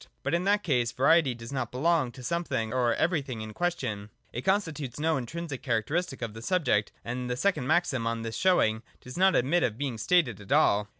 But, in that case, variety does not belong to the something or everything in question : it constitutes no intrinsic characteristic of the subject : and the second maxim on this showing does not admit of being stated at all.